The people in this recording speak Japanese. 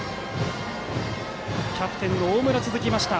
キャプテンの大村が続きました。